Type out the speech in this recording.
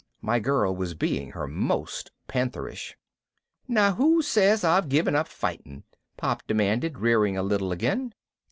My girl was being her most pantherish. "Now who says I've given up fighting?" Pop demanded, rearing a little again.